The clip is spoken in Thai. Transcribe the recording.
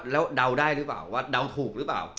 แล้วเดาได้หรือเปล่าว่าเดาถูกหรือเปล่า